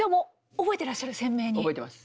覚えてます。